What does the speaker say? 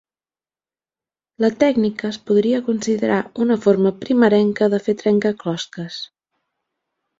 La tècnica es podria considerar una forma primerenca de fer trencaclosques.